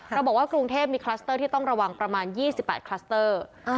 เราบอกว่ากรุงเทพมีที่ต้องระวังประมาณพี่สิบแปด